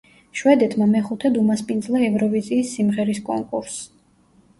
შვედეთმა მეხუთედ უმასპინძლა ევროვიზიის სიმღერის კონკურსს.